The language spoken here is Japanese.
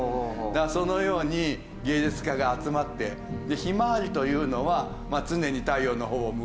だからそのように芸術家が集まって。でひまわりというのは常に太陽の方を向くよと。